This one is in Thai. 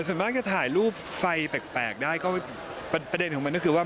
ส่วนมากจะถ่ายรูปไฟแปลกได้ก็ประเด็นของมันก็คือว่า